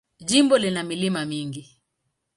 Jimbo lina milima mingi.